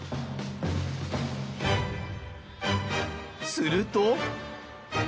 すると。